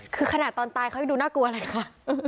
คือขนาดตอนตายเขายังดูน่ากลัวเลยค่ะ